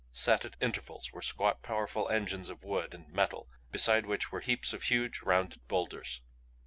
Set at intervals were squat, powerful engines of wood and metal beside which were heaps of huge, rounded boulders.